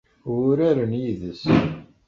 Uraren yid-s.